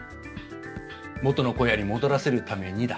元の小屋に戻らせるためにだ。